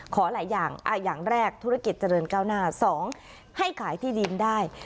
หลายอย่างอย่างแรกธุรกิจเจริญก้าวหน้า๒ให้ขายที่ดินได้